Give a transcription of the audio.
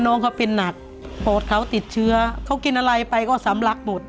น้องเขาเป็นหนักปอดเขาติดเชื้อเขากินอะไรไปก็สำลักหมด